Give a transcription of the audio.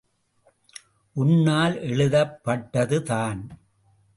உன்னால் எழுதப் பட்டதுதான்.